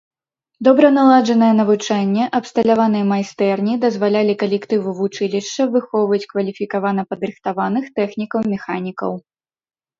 Добра наладжанае навучанне, абсталяваныя майстэрні дазвалялі калектыву вучылішча выхоўваць кваліфікавана падрыхтаваных тэхнікаў-механікаў.